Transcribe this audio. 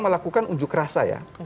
melakukan unjuk rasa ya